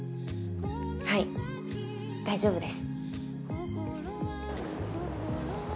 はい大丈夫です。